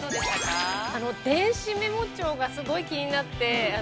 ◆電子メモ帳がすごい気になって。